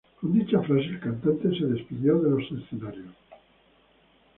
Con dicha frase, el cantante se despidió de los escenarios.